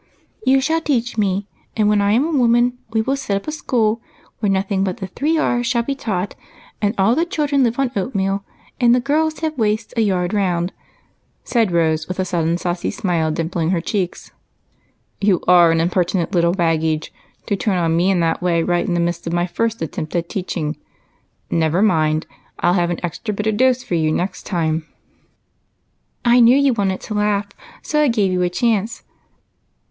" You shall teach me, and when I am a woman we will set up a school where nothing but the three Rs shall be taught, and all the children live on oatmeal, and the girls have waists a yard round," said Rose, with a sudden saucy smile dimpling her cheeks. " You are an impertinent little baggage, to turn on me in that Avay right in the midst of my first attempt at teaching. Never mind, I '11 have an extra bitter dose for you next time, miss." "I knew you wanted to laugh, so I gave you a chance.